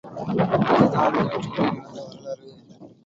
இதுதான் நேற்று வரை நடந்த வரலாறு.